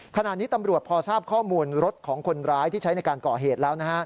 ขณะนี้ตำรวจพอทราบข้อมูลรถของคนร้ายที่ใช้ในการก่อเหตุแล้ว